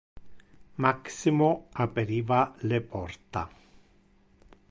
Maximo aperiva le porta.